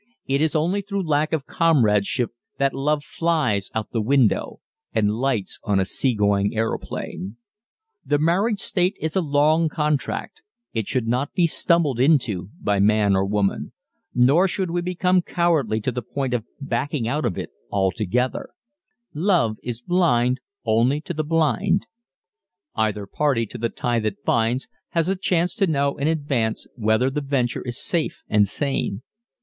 It is only through lack of comradeship that love flies out of the window and lights on a sea going aeroplane. The marriage state is a long contract it should not be stumbled into by man or woman. Nor should we become cowardly to the point of backing out of it altogether. Love is blind only to the blind. Either party to the tie that binds has a chance to know in advance whether the venture is safe and sane.